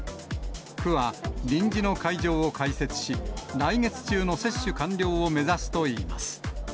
区は、臨時の会場を開設し、来月中の接種完了を目指すといいます。